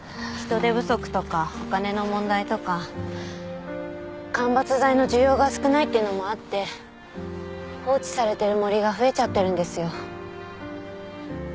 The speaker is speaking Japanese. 人手不足とかお金の問題とか間伐材の需要が少ないっていうのもあって放置されてる森が増えちゃってるんですよ。